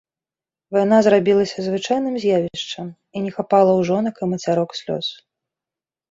Вайна зрабілася звычайным з'явішчам, і не хапала ў жонак і мацярок слёз.